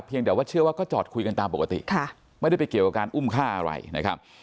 แต่ว่าเชื่อว่าก็จอดคุยกันตามปกติไม่ได้ไปเกี่ยวกับการอุ้มฆ่าอะไรนะครับ